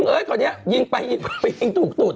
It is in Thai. เอิ้ตคราวนี้ยิงไปตูด